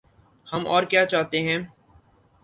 ہم اور کیا چاہتے ہیں۔